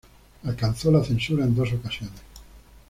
Alcanzó la censura en dos ocasiones.